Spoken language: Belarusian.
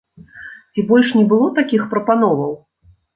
Ці больш не было такіх прапановаў?